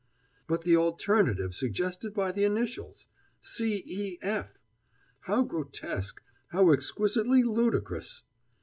But the alternative suggested by the initials! C. E. F.! How grotesque, how exquisitely ludicrous!